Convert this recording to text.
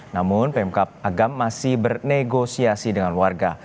namun pemkap agam masih bernegosiasi dengan warga